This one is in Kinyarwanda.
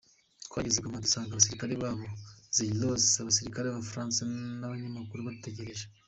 Twageze i Goma, dusanga abasirikare b’aba Zaïrois, abasirikare b’abafaransa n’abanyamakuru badutegereje.